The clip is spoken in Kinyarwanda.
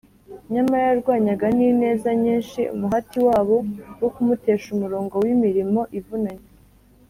nyamara yarwanyaga n’ineza nyinshi umuhati wabo wo kumutesha umurongo w’imirimo ivunanye